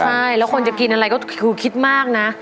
ใช่แล้วคนจะกินอะไรก็คือคิดมากนะ